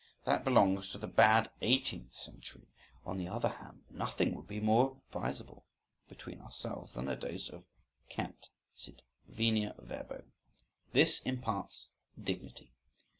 … That belongs to the bad eighteenth century.… On the other hand, nothing would be more advisable (between ourselves) than a dose of—cant, sit venia verbo. This imparts dignity.